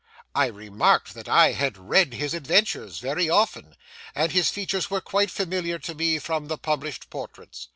I remarked that I had read his adventures very often, and his features were quite familiar to me from the published portraits.